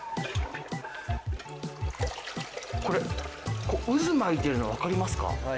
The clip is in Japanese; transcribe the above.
これこう渦巻いてるのわかりますか？